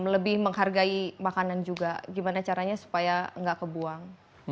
lebih menghargai makanan juga gimana caranya supaya nggak kebuang